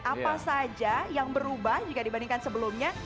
apa saja yang berubah jika dibandingkan sebelumnya